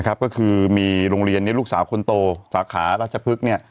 ก็คือมีโรงเรียนลูกสาวคนโตสาขาราชพฤกษ์